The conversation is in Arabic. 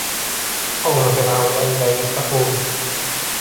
قَوْمَ فِرْعَوْنَ أَلَا يَتَّقُونَ